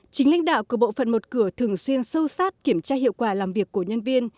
chính lãnh đạo của bộ phận một cửa thường xuyên sâu sát kiểm tra hiệu quả làm việc của nhân viên